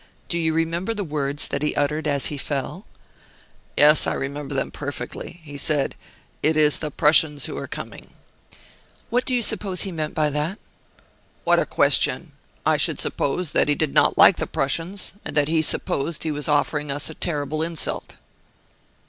Do you remember the words that he uttered as he fell?" "Yes, I remember them perfectly. He said: 'It is the Prussians who are coming.'" "What do you suppose he meant by that?" "What a question! I should suppose that he did not like the Prussians, and that he supposed he was offering us a terrible insult."